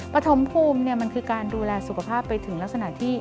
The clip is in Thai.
ปฐมภูมิมันคือการดูแลสุขภาพไปถึงลักษณะที่